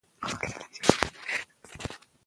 ماشومان په ټولنه کې مهم ځای لري.